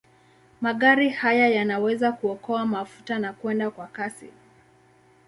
Magari haya yanaweza kuokoa mafuta na kwenda kwa kasi.